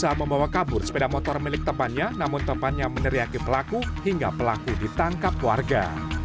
saat membawa kabur sepeda motor milik temannya namun temannya meneriaki pelaku hingga pelaku ditangkap warga